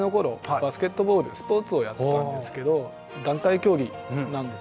バスケットボールスポーツをやってたんですけど団体競技なんですよねバスケットも。